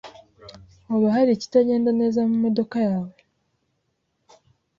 Hoba hari ikitagenda neza mumodoka yawe?